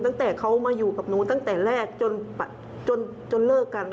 ตั้งแต่เขามาอยู่กับหนูตั้งแต่แรกจนเลิกกัน